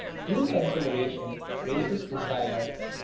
Due Consideration raises Desire.